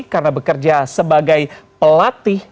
karena bekerja sebagai pelatih